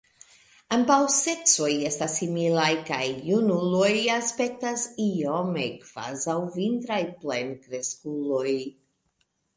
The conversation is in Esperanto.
Ambaŭ seksoj estas similaj kaj junuloj aspektas iome kvazaŭ vintraj plenkreskuloj.